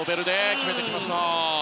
決めてきました。